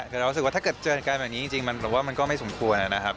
แต่เรารู้สึกว่าถ้าเกิดเจอกันแบบนี้จริงมันก็ไม่สมควรนะครับ